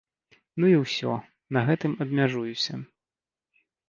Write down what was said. Ну і ўсё, на гэтым абмяжуюся.